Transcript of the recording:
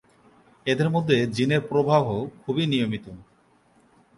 এদের মধ্য জীনের প্রবাহ খুবই নিয়মিত।